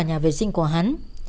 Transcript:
và nhà vệ sinh của hắn